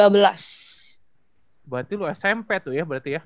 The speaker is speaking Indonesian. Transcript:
berarti lu smp tuh ya berarti ya